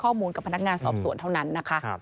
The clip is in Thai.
ตอนนี้ก็เป็นเฉพงานไปให้ข้อมูลตรงนั้นนั่นนะคะ